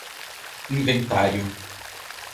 inventário